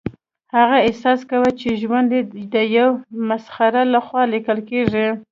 هغه احساس کاوه چې ژوند یې د یو مسخره لخوا لیکل کیږي